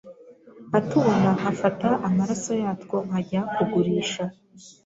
nkatubona nkafata amaraso yatwo nkajya kugurisha